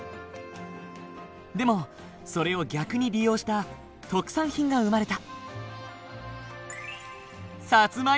でもそれを逆に利用した特産品が生まれた。